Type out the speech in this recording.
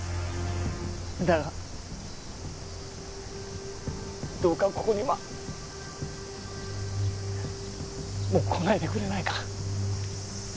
だがどうかここにはもう来ないでくれないか？